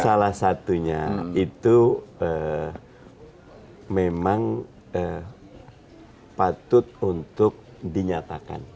salah satunya itu memang patut untuk dinyatakan